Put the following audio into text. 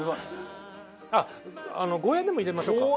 あっゴーヤでも入れましょうか。